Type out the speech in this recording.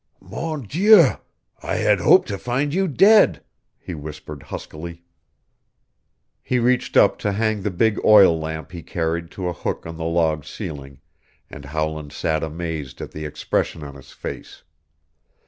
"Mon Dieu, I had hoped to find you dead," he whispered huskily. He reached up to hang the big oil lamp he carried to a hook in the log ceiling, and Howland sat amazed at the expression on his face.